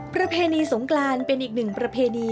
ประเพณีสงกรานเป็นอีกหนึ่งประเพณี